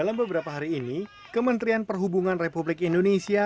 dalam beberapa hari ini kementerian perhubungan republik indonesia